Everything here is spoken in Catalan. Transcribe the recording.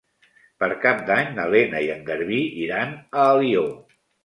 Per Cap d'Any na Lena i en Garbí iran a Alió.